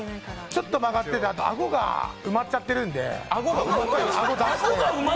ちょっと曲がってて、あと顎が埋まっちゃってるんで。